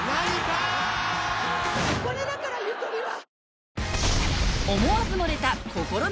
これだからゆとりは！